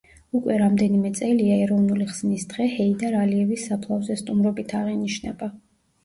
უკვე რამდენიმე წელია ეროვნული ხსნის დღე ჰეიდარ ალიევის საფლავზე სტუმრობით აღინიშნება.